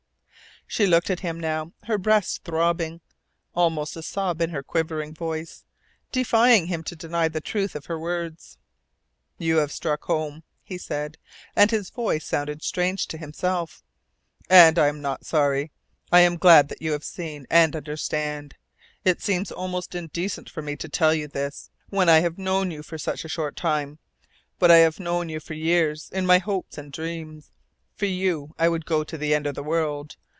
She looked at him now, her breast throbbing, almost a sob in her quivering voice, defying him to deny the truth of her words. "You have struck home," he said, and his voice sounded strange to himself. "And I am not sorry. I am glad that you have seen and understand. It seems almost indecent for me to tell you this, when I have known you for such a short time. But I have known you for years in my hopes and dreams. For you I would go to the end of the world.